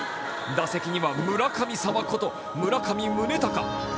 打席には村神様こと村上宗隆。